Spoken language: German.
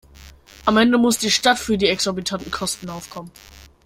Am Ende muss die Stadt für die exorbitanten Kosten aufkommen.